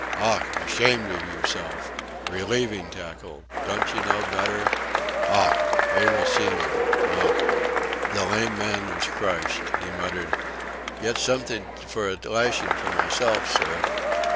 "Ough! Ashamed of yourself Relieving tackle Don't you know better! Ough! Able seaman! Ough!" The lame man was crushed. He muttered, "Get som'think for a lashing for myself, sir."